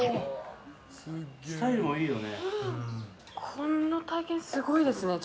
こんな体験、すごいですね。